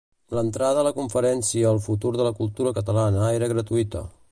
L'entrada a la conferència El futur de la cultura catalana era gratuïta.